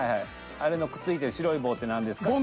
あれのくっついてる白い棒って何ですか？